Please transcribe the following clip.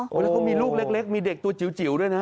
แล้วเขามีลูกเล็กมีเด็กตัวจิ๋วด้วยนะ